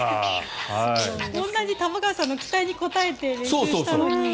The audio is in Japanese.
玉川さんの期待に応えて練習したのに。